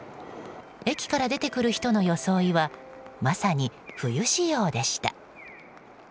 駅から出てくる人の装いはまさに冬仕様でした。